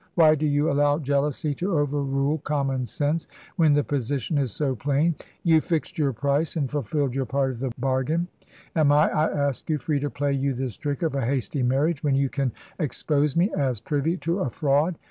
Why do you allow jealousy to overrule common sense, when the position is so plain? You fixed your price and fulfilled your part of the bargain. Am I, I ask you, free to play you this trick of a hasty marriage, when you can expose me as privy to a fraud?